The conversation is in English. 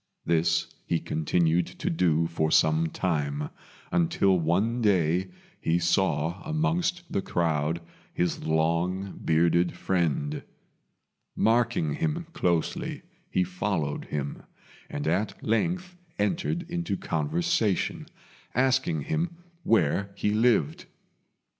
This he continued to do for some time, until one day he saw amongst the crowd his long bearded friend. Marking him closely, he followed him, and at length entered into conversation, asking him where he lived.